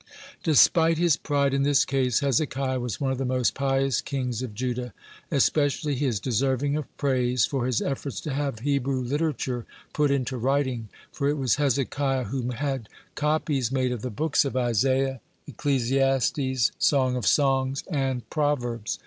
(88) Despite his pride in this case, Hezekiah was one of the most pious kings of Judah. Especially he is deserving of praise for his efforts to have Hebrew literature put into writing, for it was Hezekiah who had copies made of the books of Isaiah, Ecclesiastes, Song of Songs, and Proverbs.